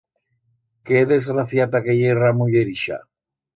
Qué desgraciata que ye ra muller ixa.